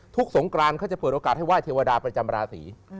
สงกรานเขาจะเปิดโอกาสให้ไห้เทวดาประจำราศี